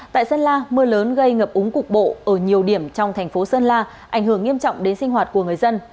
tại sơn la mưa lớn gây ngập úng cục bộ ở nhiều điểm trong thành phố sơn la ảnh hưởng nghiêm trọng đến sinh hoạt của người dân